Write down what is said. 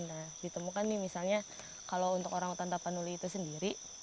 nah ditemukan nih misalnya kalau untuk orangutan tapanuli itu sendiri